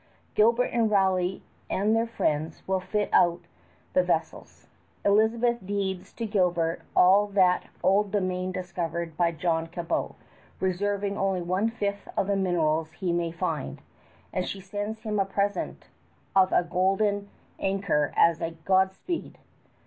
Gilbert and Raleigh and their friends will fit out the vessels. Elizabeth deeds to Gilbert all that old domain discovered by John Cabot, reserving only one fifth of the minerals he may find; and she sends him a present of a golden anchor as a Godspeed.